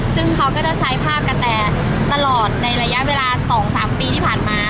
ซึ่งเขาก็จะใช้ภาพกระแตตลอดในระยะเวลา๒๓ปีที่ผ่านมา